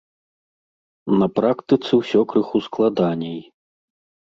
На практыцы ўсё крыху складаней.